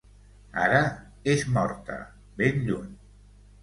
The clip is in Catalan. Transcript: Ara és morta, ben lluny.